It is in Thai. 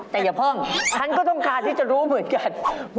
แต่อย่าเพิ่งฉันก็ต้องการที่จะรู้เหมือนกัน